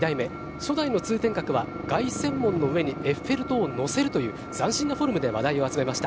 初代の通天閣は凱旋門の上にエッフェル塔を載せるという斬新なフォルムで話題を集めました。